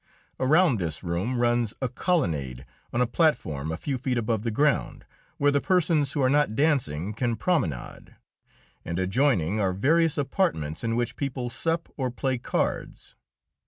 Around this room runs a colonnade on a platform a few feet above the ground, where the persons who are not dancing can promenade, and adjoining are various apartments in which people sup or play cards.